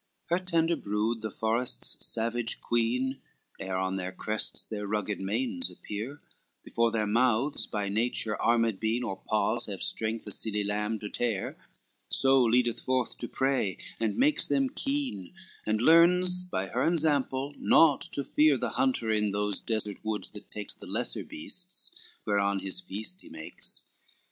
XXIX Her tender brood the forest's savage queen, Ere on their crests their rugged manes appear, Before their mouths by nature armed been, Or paws have strength a silly lamb to tear, So leadeth forth to prey, and makes them keen, And learns by her ensample naught to fear The hunter, in those desert woods that takes The lesser beasts whereon his feast he makes.